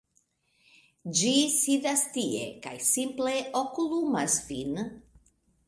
ĝi sidas tie kaj simple okulumas vin.